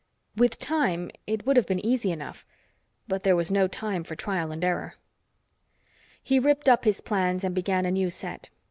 With time, it would have been easy enough, but there was no time for trial and error. He ripped up his plans and began a new set.